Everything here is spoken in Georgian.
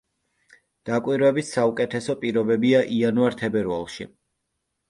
დაკვირვების საუკეთესო პირობებია იანვარ-თებერვალში.